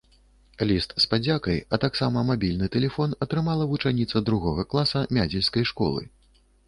Ліст з падзякай, а таксама мабільны тэлефон атрымала вучаніца другога класа мядзельскай школы.